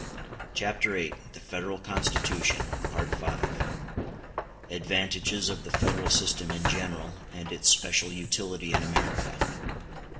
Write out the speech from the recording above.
Chapter VIII: The Federal Constitution—Part V Advantages Of The Federal System In General, And Its Special Utility In America.